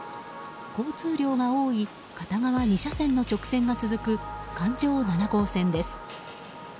交通量が多い片側２車線の直線が続く環状７号線です。